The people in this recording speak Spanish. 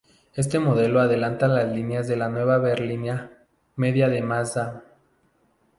Este modelo adelanta las líneas de la nueva berlina media de Mazda.